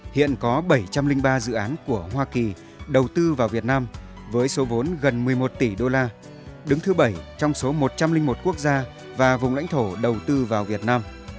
hiện có bảy trăm linh ba dự án của hoa kỳ đầu tư vào việt nam với số vốn gần một mươi một tỷ đô la đứng thứ bảy trong số một trăm linh một quốc gia và vùng lãnh thổ đầu tư vào việt nam